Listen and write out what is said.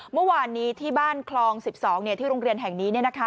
เมื่อวานนี้ที่บ้านคลอง๑๒ที่โรงเรียนแห่งนี้